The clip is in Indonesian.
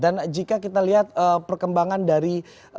jika kita lihat perkembangan dari